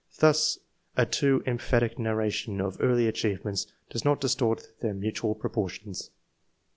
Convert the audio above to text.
Thus, a too emphatic narration of early achievements does not distort their mutual proportions.